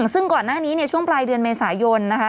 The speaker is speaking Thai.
ซึ่งก่อนหน้านี้เนี่ยช่วงปลายเดือนเมษายนนะคะ